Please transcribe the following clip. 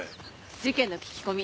事件の聞き込み。